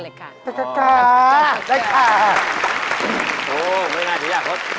แหละค่ะค่ะพูดไงจิ๊ยะพบ